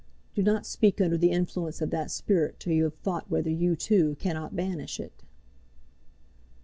Do not speak under the influence of that spirit till you have thought whether you, too, cannot banish it."